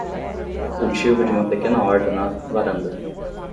Cultivo de uma pequena horta na varanda